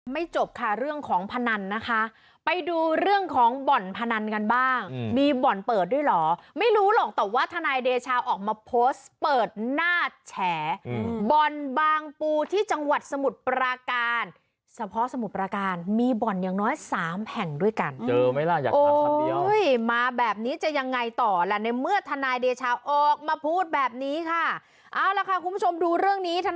จบค่ะเรื่องของพนันนะคะไปดูเรื่องของบ่อนพนันกันบ้างมีบ่อนเปิดด้วยเหรอไม่รู้หรอกแต่ว่าทนายเดชาออกมาโพสต์เปิดหน้าแฉบ่อนบางปูที่จังหวัดสมุทรปราการเฉพาะสมุทรประการมีบ่อนอย่างน้อยสามแห่งด้วยกันเจอไหมล่ะอยากมาคนเดียวมาแบบนี้จะยังไงต่อล่ะในเมื่อทนายเดชาออกมาพูดแบบนี้ค่ะเอาล่ะค่ะคุณผู้ชมดูเรื่องนี้ท